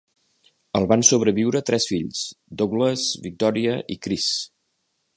El van sobreviure tres fills, Douglas, Victoria i Chris.